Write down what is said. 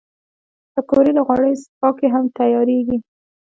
پکورې له غوړیو پاکې هم تیارېږي